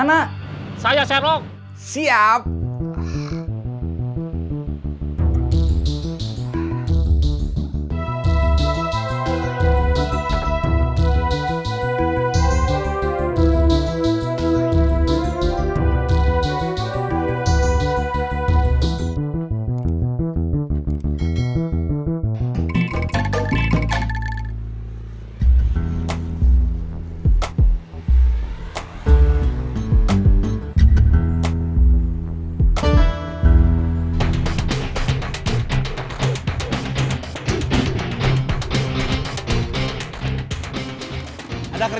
nah gimana kamu